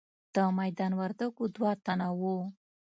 د میدان وردګو دوه تنه وو.